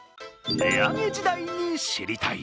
値上げ時代に知りたい